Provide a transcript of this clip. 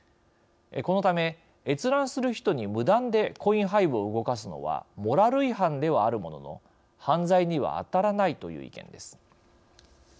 このため、閲覧する人に無断でコインハイブを動かすのはモラル違反ではあるものの犯罪にはあたらないという意見です。